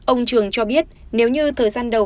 ông trường cho biết nếu như thời gian đầu